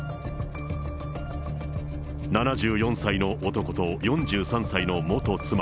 ７４歳の男と４３歳の元妻。